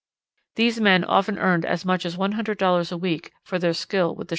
These men often earned as much as one hundred dollars a week for their skill with the shotgun.